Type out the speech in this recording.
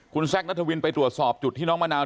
คุณแซคนัทวินไปตรวจสอบจุดที่น้องมะนาว